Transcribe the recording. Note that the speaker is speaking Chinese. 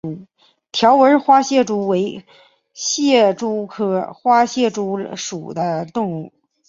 条纹花蟹蛛为蟹蛛科花蟹蛛属的动物。